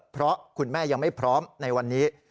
เพราะคุณแม่ยังไม่พร้อมในวันนี้